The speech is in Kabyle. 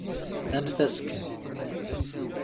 Anef-as kan.